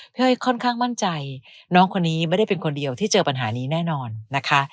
เฮ้ยค่อนข้างมั่นใจน้องคนนี้ไม่ได้เป็นคนเดียวที่เจอปัญหานี้แน่นอนนะคะ